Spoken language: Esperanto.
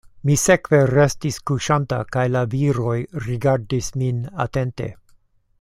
Mi sekve restis kuŝanta kaj la viroj rigardis min atente.